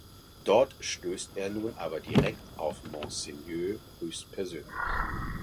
Dort stößt er nun aber direkt auf Monsieur höchstpersönlich.